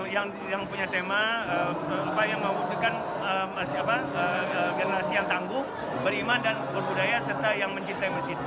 yang punya tema yang mewujudkan generasi yang tangguh beriman dan berbudaya serta yang mencintai masjid